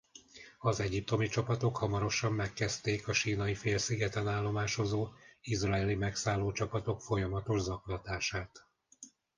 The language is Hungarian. Az egyiptomi csapatok hamarosan megkezdték a Sínai-félszigeten állomásozó izraeli megszálló csapatok folyamatos zaklatását.